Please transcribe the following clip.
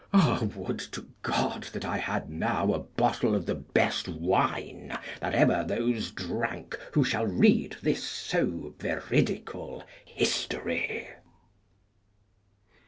Ah, would to God that I had now a bottle of the best wine that ever those drank who shall read this so veridical history!